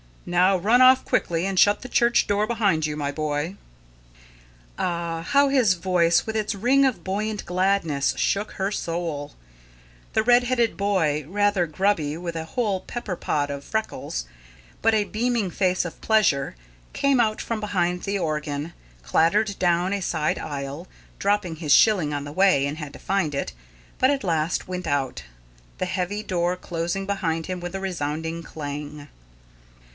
Now run off quickly, and shut the church door behind you, my boy." Ah! how his voice, with its ring of buoyant gladness, shook her soul. The red headed boy, rather grubby, with a whole pepper pot of freckles, but a beaming face of pleasure, came out from behind the organ, clattered down a side aisle; dropped his shilling on the way and had to find it; but at last went out, the heavy door closing behind him with a resounding clang.